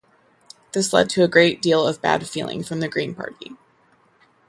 This led to a great deal of bad feeling from the Green Party.